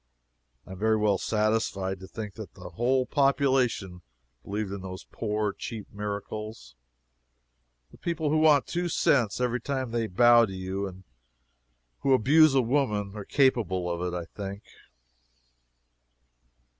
I am very well satisfied to think the whole population believed in those poor, cheap miracles a people who want two cents every time they bow to you, and who abuse a woman, are capable of it, I think.